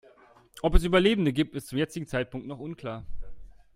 Ob es Überlebende gibt, ist zum jetzigen Zeitpunkt noch unklar.